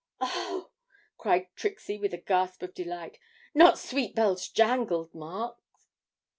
'O oh!' cried Trixie, with a gasp of delight, 'not "Sweet Bells Jangled," Mark?'